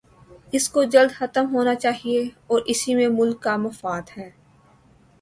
اس کو جلد ختم ہونا چاہیے اور اسی میں ملک کا مفاد ہے۔